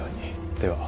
では。